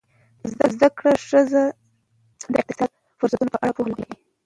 زده کړه ښځه د اقتصادي فرصتونو په اړه پوهه لري.